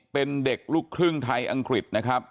เป็นเด็กลูกครึ่งไทยอังกฤษนะครับ